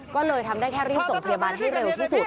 ก็เลยทำได้แค่รีบส่งพยาบาลให้เร็วที่สุด